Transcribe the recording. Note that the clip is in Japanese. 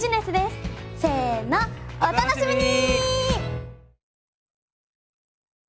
せのお楽しみに！